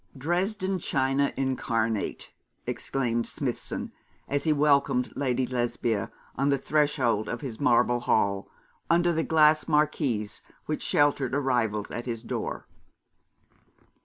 'Dresden china incarnate!' exclaimed Smithson, as he welcomed Lady Lesbia on the threshold of his marble hall, under the glass marquise which sheltered arrivals at his door.